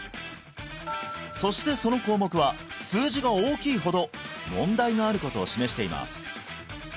そしてその項目は数字が大きいほど問題があることを示しています